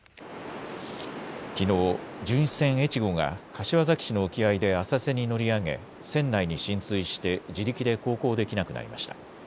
きのう巡視船えちごが柏崎市の沖合で浅瀬に乗り上げ、船内に浸水して自力で航行できなくなりました。